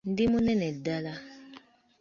Ndi munene ddala .